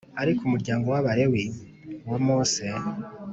Ariko umuryango w Abalewi wo Mose